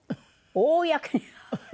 公に。